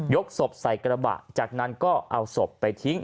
ศพใส่กระบะจากนั้นก็เอาศพไปทิ้ง